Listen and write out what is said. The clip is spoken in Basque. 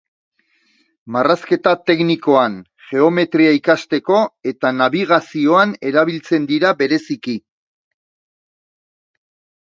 Marrazketa teknikoan, geometria ikasteko eta nabigazioan erabiltzen dira bereziki.